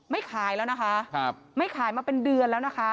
ขายแล้วนะคะไม่ขายมาเป็นเดือนแล้วนะคะ